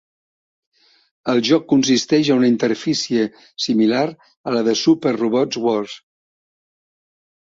El joc consisteix a una interfície similar a la de "Super Robot Wars".